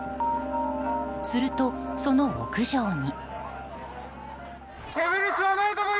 すると、その屋上に。